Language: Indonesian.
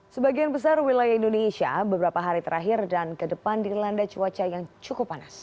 sebagian besar wilayah indonesia beberapa hari terakhir dan ke depan dilanda cuaca yang cukup panas